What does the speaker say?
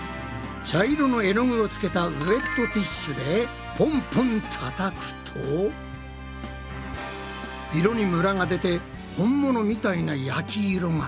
茶色の絵の具をつけたウエットティッシュでポンポンたたくと色にムラが出て本物みたいな焼き色が。